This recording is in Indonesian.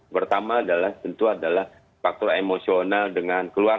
pertama adalah tentu adalah faktor emosional dengan keluarga